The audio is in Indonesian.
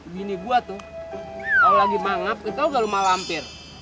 bini gue tuh kalau lagi manap itu udah lumalampir